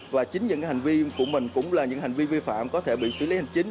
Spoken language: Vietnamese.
và chính những hành vi của mình cũng là những hành vi vi phạm có thể bị xử lý hành chính